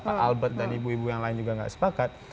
pak albert dan ibu ibu yang lain juga nggak sepakat